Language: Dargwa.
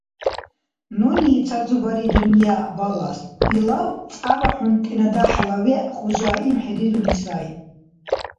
Нуни ца зубари-дунъя балас, илав цӀябахӀунтӀена дяхӀла вегӀ хужаим хӀерирули сай.